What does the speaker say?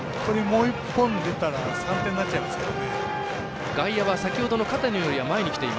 もう１本出たら３点なっちゃいますから。